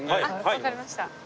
わかりました。